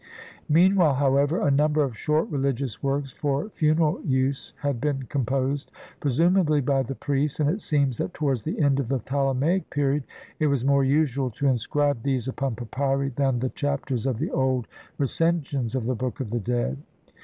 Meanwhile, however, a number of short religious works for funeral use had been composed, presumably by the priests, and it seems that towards the end of the Ptolemaic period it was more usual to inscribe these upon papyri than the Chapters of the old Re censions of the Book of the Dead.